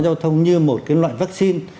giao thông như một cái loại vaccine